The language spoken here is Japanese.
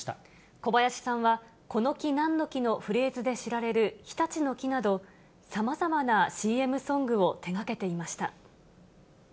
小林さんは、この木なんの木のフレーズで知られる日立の樹など、さまざまなＣＭソングを手がけていました。